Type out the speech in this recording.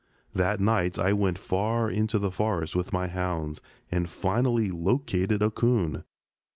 That night I went far into the forest with my hounds, and finally located a 'coon.